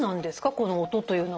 この「音」というのは。